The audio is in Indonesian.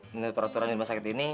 menurut peraturan rumah sakit ini